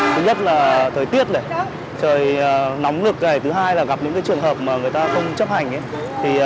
thứ nhất là thời tiết trời nóng nực thứ hai là gặp những trường hợp mà người ta không chấp hành